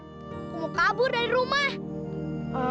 aku mau kabur dari rumah